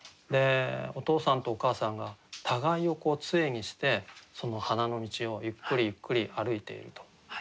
お父さんとお母さんが互いをこう杖にしてその花野道をゆっくりゆっくり歩いていると。